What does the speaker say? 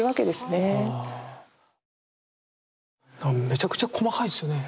めちゃくちゃ細かいですよね。